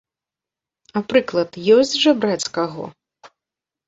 А прыклад ёсць жа браць з каго!